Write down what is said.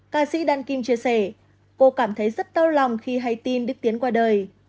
ca sĩ đan kim chia sẻ cô cảm thấy rất đau lòng khi hay tin đức tiến qua đời